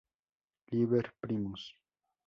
Liber primus.